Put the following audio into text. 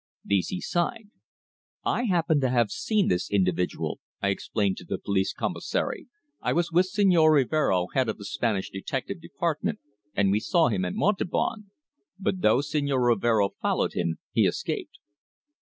These he signed. "I happen to have seen this individual," I explained to the police commissary. "I was with Señor Rivero, head of the Spanish detective department, and we saw him at Montauban. But though Señor Rivero followed him, he escaped."